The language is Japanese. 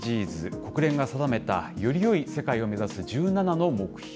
国連が定めたよりよい世界を目指す１７の目標。